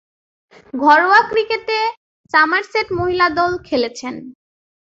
ঘরোয়া ক্রিকেটে সমারসেট মহিলা দলে খেলছেন।